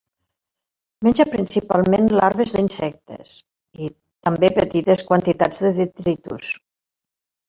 Menja principalment larves d'insectes i, també petites quantitats de detritus.